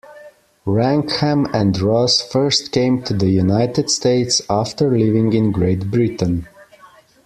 Wrangham and Ross first came to the United States after living in Great Britain.